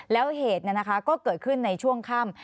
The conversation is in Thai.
แล้วเหตุก็เกิดขึ้นในช่วงค่ำ